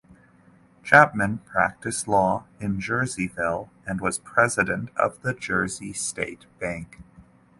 Chapman practiced law in Jerseyville and was president of the Jersey State Bank.